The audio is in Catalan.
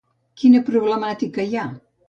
Quina problemàtica hi ha?